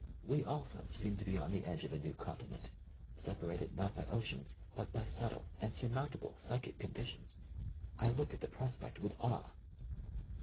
We also seem to be on the edge of a new continent, separated not by oceans but by subtle and surmountable psychic conditions. I look at the prospect with awe.